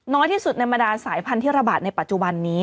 น้อยที่สุดในบรรดาสายพันธุ์ที่ระบาดในปัจจุบันนี้